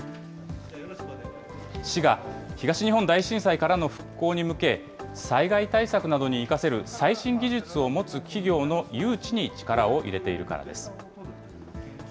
市が東日本大震災からの復興に向け、災害対策などに生かせる最新技術を持つ企業の誘致に力を入れているからです。